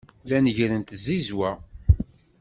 La neggrent tzizwa.